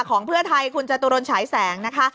ของเพื่อไทยคุณจตุรนฉายแสงนะคะ